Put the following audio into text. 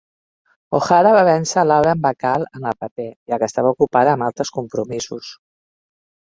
O'Hara va vèncer Lauren Bacall en el paper, ja que estava ocupada amb altres compromisos.